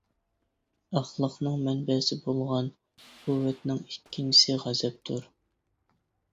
ئەخلاقنىڭ مەنبەسى بولغان قۇۋۋەتنىڭ ئىككىنچىسى غەزەپتۇر.